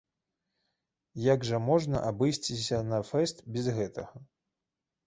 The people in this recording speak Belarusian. Як жа можна абысціся на фэст без гэтага.